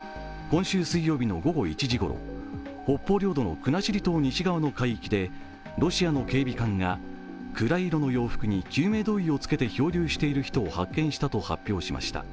海上保安庁は今週水曜日の午後１時ごろ北方領土の国後島西側の海域でロシアの警備艦が暗色の洋服に救命胴衣をつけて漂流している人を発見したと発表しました。